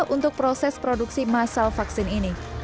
untuk proses produksi masal vaksin ini